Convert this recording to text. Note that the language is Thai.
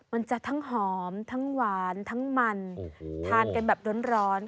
มันจะทั้งหอมทั้งหวานทั้งมันทานกันแบบร้อน